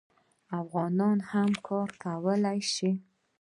افغانان هم کار کولی شي.